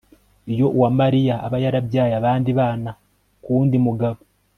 iyo uwamariya aba yarabyaye abandi bana k'uwundi mugabo